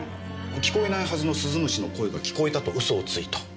聞こえないはずの鈴虫の声が聞こえたと嘘をついた。